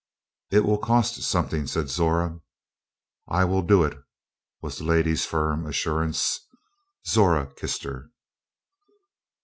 "It will cost something," said Zora. "I will do it," was the lady's firm assurance. Zora kissed her.